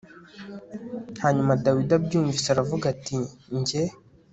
hanyuma dawidi abyumvise aravuga ati jye